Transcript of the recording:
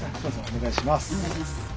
お願いします。